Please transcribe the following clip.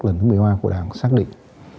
lần thứ một mươi hai của đảng xác định